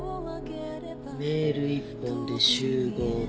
メール１本で「集合」って。